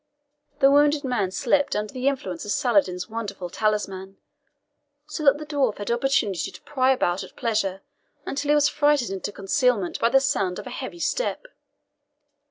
The wounded man slept under the influence of Saladin's wonderful talisman, so that the dwarf had opportunity to pry about at pleasure until he was frightened into concealment by the sound of a heavy step.